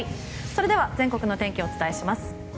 それでは全国の天気をお伝えします。